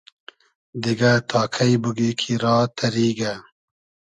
دیگۂ تا کݷ بوگی کی را تئریگۂ